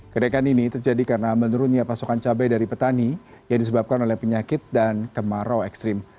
kenaikan ini terjadi karena menurunnya pasokan cabai dari petani yang disebabkan oleh penyakit dan kemarau ekstrim